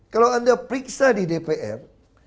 kalau anda periksa di dpr